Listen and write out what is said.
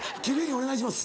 お願いします。